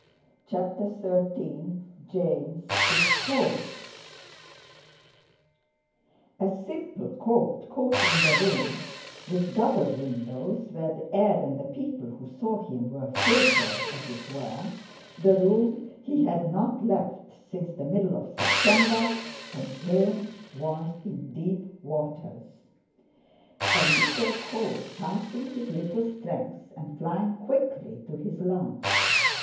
CHAPTER XIII JAMES IS TOLD A simple cold, caught in the room with double windows, where the air and the people who saw him were filtered, as it were, the room he had not left since the middle of September—and James was in deep waters. A little cold, passing his little strength and flying quickly to his lungs.